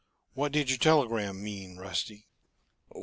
What did your telegram mean, Rusty?"